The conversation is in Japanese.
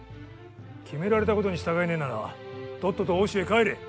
決められたことに従えねえならとっとと奥州へ帰れ。